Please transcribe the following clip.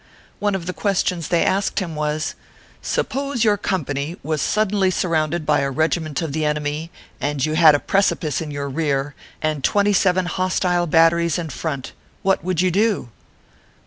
One of the questions they asked him was :" Suppose your company was suddenly surrounded ORPHEUS C. KERR PAPERS. 129 by a regiment of the enemy, and you had a precipice in your rear, and twenty seven hostile batteries in front what would you do